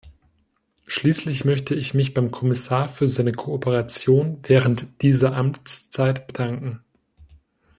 Schließlich möchte ich mich beim Kommissar für seine Kooperation während dieser Amtszeit bedanken.